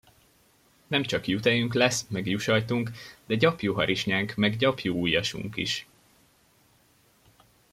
Nemcsak juhtejünk lesz, meg juhsajtunk, de gyapjúharisnyánk meg gyapjúujjasunk is!